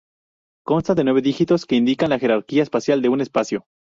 Consta de nueve dígitos que indican la jerarquía espacial de un espacio.